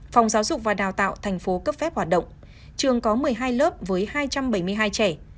phòng giáo dục và đào tạo thành phố cấp phép hoạt động trường có một mươi hai lớp với hai trăm bảy mươi hai trẻ